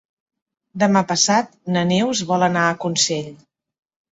Demà passat na Neus vol anar a Consell.